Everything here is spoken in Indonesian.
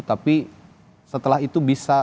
tapi setelah itu bisa